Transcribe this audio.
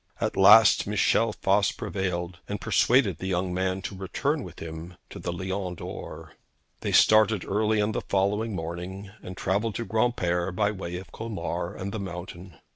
At last Michel Voss prevailed, and persuaded the young man to return with him to the Lion d'Or. They started early on the following morning, and travelled to Granpere by way of Colmar and the mountain.